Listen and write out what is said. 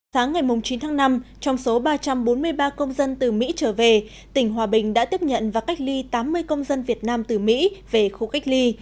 sáng ngày chín tháng năm trong số ba trăm bốn mươi ba công dân từ mỹ trở về tỉnh hòa bình đã tiếp nhận và cách ly tám mươi công dân việt nam từ mỹ về khu cách ly